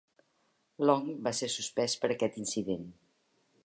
Long va ser suspès per aquest incident.